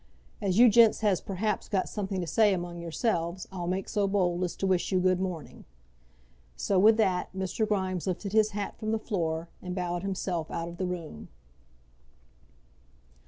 As you gents has perhaps got something to say among yourselves, I'll make so bold as to wish you good morning." So, with that, Mr. Grimes lifted his hat from the floor, and bowed himself out of the room.